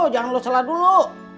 jangan lo salah dulu